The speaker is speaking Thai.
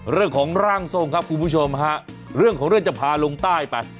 เรื่องของร่างทรงครับคุณผู้ชมฮะเรื่องของเรื่องจะพาลงใต้ไป